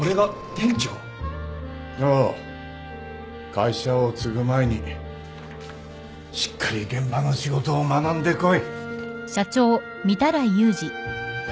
会社を継ぐ前にしっかり現場の仕事を学んでこい